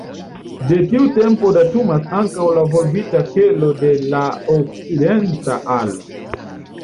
De tiu tempo datumas ankaŭ la volbita kelo de la okcidenta alo.